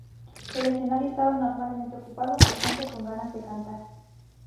El escenario estaba normalmente ocupado por gente con ganas de cantar.